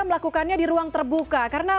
melakukannya di ruang terbuka karena